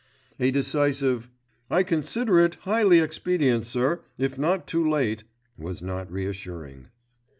A decisive, "I consider it highly expedient, sir, if not too late," was not reassuring.